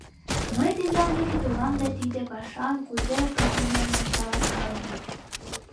— Мый тендан деке толам да тиде пашан кузе пытымыжым каласкалем.